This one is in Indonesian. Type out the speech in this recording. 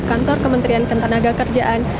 kantor kementerian kentenaga kerjaan